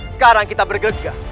sekarang kita bergegas